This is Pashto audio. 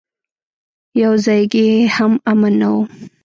يو ځايګى هم امن نه و.